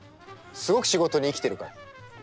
すごく仕事に生きてるから。